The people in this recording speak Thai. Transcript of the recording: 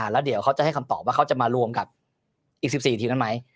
แล้วเดี๋ยวเขาจะให้คำตอบว่าเขาจะมารวมกับอีก๑๔ทีมนั้นไหม